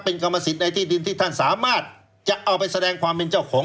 เป็นกรรมสิทธิ์ในที่ดินที่ท่านสามารถจะเอาไปแสดงความเป็นเจ้าของ